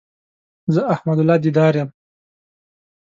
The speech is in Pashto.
زه احمد الله ديدار يم